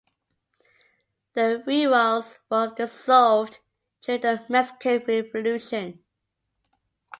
The "rurales" were dissolved during the Mexican Revolution.